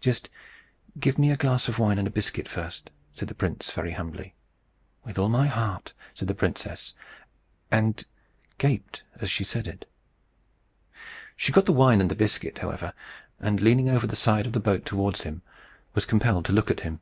"Just give me a glass of wine and a biscuit first," said the prince, very humbly. "With all my heart," said the princess, and gaped as she said it. She got the wine and the biscuit, however, and leaning over the side of the boat towards him, was compelled to look at him.